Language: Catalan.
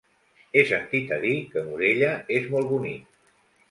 He sentit a dir que Morella és molt bonic.